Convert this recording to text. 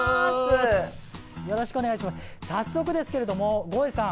早速ですけれどもゴエさん